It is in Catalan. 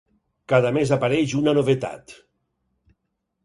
Cada mes apareix una novetat.